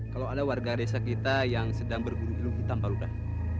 kalau ada warga desa kita yang sedang bergurung gurung hitam pak rudah